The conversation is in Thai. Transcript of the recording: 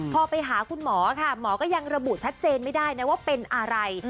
พอไปหาคุณหมอค่ะหมอก็ยังระบุชัดเจนไม่ได้นะว่าเป็นอะไร